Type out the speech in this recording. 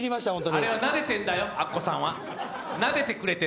あれはなでてるんだよ、アッコさんは。